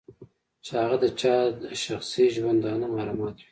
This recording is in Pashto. چې هغه د چا د شخصي ژوندانه محرمات وي.